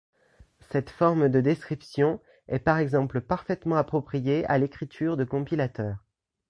Cette forme de description est par exemple parfaitement appropriée à l’écriture de compilateurs.